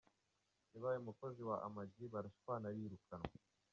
Yabaye umukozi wa Ama G barashwana arirukanwa.